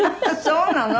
そうなの？